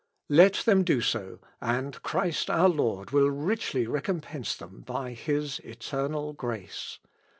Let them do so, and Christ our Lord will richly recompence them by his eternal grace.